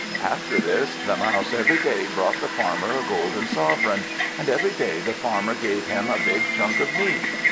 After this the Mouse every day brought the Farmer a golden sovereign, and every day the Farmer gave him a big chunk of meat.